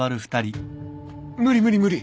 無理無理無理